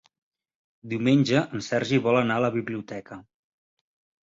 Diumenge en Sergi vol anar a la biblioteca.